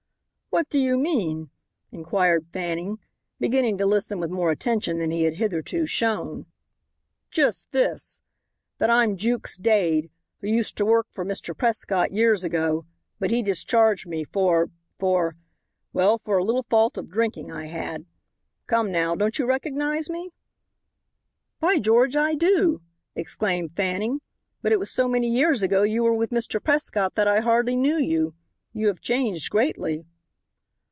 "What do you mean?" inquired Fanning, beginning to listen with more attention than he had hitherto shown. "Just this, that I'm Jukes Dade, who used to work for Mr. Prescott years ago, but he discharged me for for well for a little fault of drinking I had. Come now, don't you recognize me?" "By George, I do," exclaimed Fanning; "but it was so many years ago you were with Mr. Prescott that I hardly knew you. You have changed greatly."